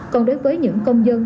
còn đối với những công dân